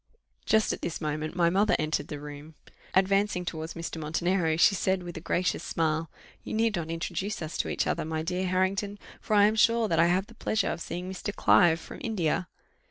Just at this moment my mother entered the room. Advancing towards Mr. Montenero, she said, with a gracious smile, "You need not introduce us to each other, my dear Harrington, for I am sure that I have the pleasure of seeing Mr. Clive, from India."